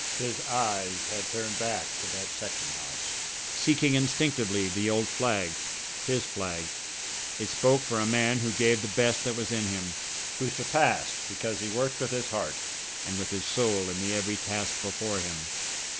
His eyes had turned back to that section house, seeking instinctively the old flag, his flag. It spoke for a man who gave the best that was in him, who surpassed because he worked with his heart and with his soul in the every task before him.